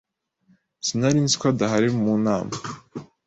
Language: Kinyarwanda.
Sinari nzi ko adahari mu nama.